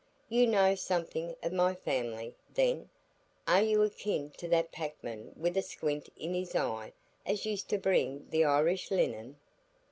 "You know something o' my family, then? Are you akin to that packman with a squint in his eye, as used to bring th' Irish linen?"